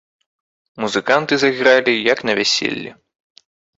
Музыканты зайгралі, як на вяселлі.